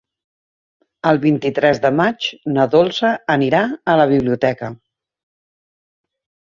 El vint-i-tres de maig na Dolça anirà a la biblioteca.